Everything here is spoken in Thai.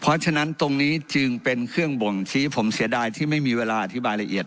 เพราะฉะนั้นตรงนี้จึงเป็นเครื่องบ่งชี้ผมเสียดายที่ไม่มีเวลาอธิบายละเอียด